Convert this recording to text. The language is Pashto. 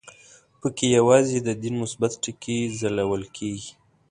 په کې یوازې د دین مثبت ټکي ځلول کېږي.